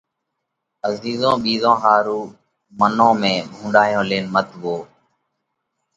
عزيرو ھميش ٻِيزون ۿارُو منون ۾ ڀونڏايون لينَ مت وو۔